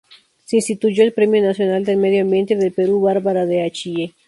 Se instituyó el Premio Nacional del Medio Ambiente del Perú Barbara D’Achille.